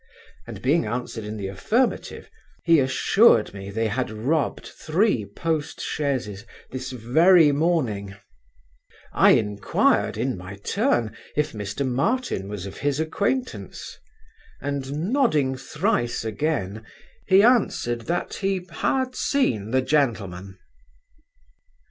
and being answered in the affirmative, he assured me they had robbed three post chaises this very morning I inquired, in my turn, if Mr Martin was of his acquaintance; and, nodding thrice again, he answered, that he had seen the gentleman.